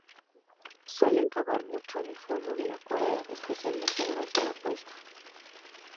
Suelen cavar mucho en el fondo del acuario, especialmente durante la puesta.